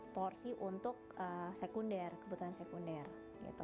porsi untuk sekunder kebutuhan sekunder gitu